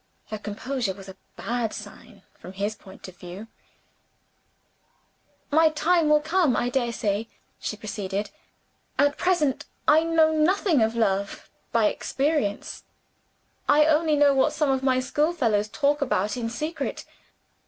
Her composure was a bad sign from his point of view. "My time will come, I daresay," she proceeded. "At present I know nothing of love, by experience; I only know what some of my schoolfellows talk about in secret.